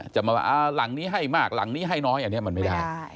จะมาว่าหลังนี้ให้มากหลังนี้ให้น้อยอันนี้มันไม่ได้